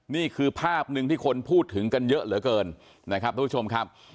นี่คือภาพหนึ่งที่คนพูดถึงกันเยอะเหลือเกินนะครับทุกผู้ชมครับ